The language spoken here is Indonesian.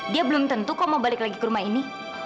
dia belum tentu kau mau balik lagi ke rumah ini